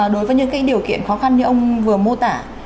đối với những điều kiện khó khăn như ông vừa mô tả